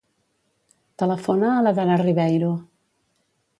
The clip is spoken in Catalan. Telefona a l'Adara Riveiro.